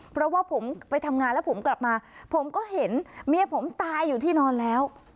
เพราะว่าผมไปทำงานแล้วผมกลับมาผมก็เห็นเมียผมตายอยู่ที่นอนแล้ว